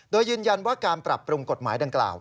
โดยยืนยันว่าการปรับปรุงกฎหมายดังกล่าว